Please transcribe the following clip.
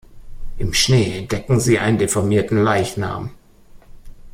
Im Schnee entdecken sie einen deformierten Leichnam.